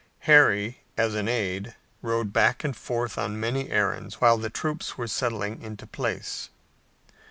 Harry, as an aide, rode back and forth on many errands while the troops were settling into place.